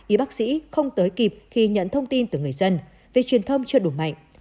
y bác sĩ không tới kịp khi nhận thông tin từ người dân vì truyền thông chưa đủ mạnh